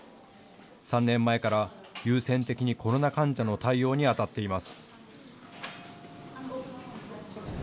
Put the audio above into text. ３年前から優先的にコロナ患者の対応にあたっています。